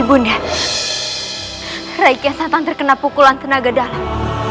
ibu nda raikia satan terkena pukulan tenaga dalam